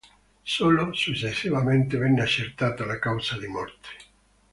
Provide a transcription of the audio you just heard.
Solo successivamente venne accertata la causa di morte.